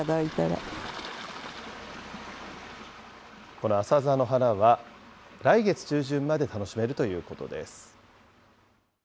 このアサザの花は、来月中旬まで楽しめるということです。